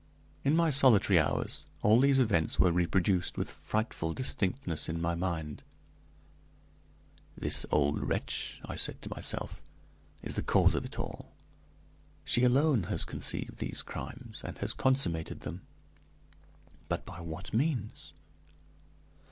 In my solitary hours all these events were reproduced with frightful distinctness in my mind. "This old wretch," I said to myself, "is the cause of it all; she alone has conceived these crimes, and has consummated them. But by what means?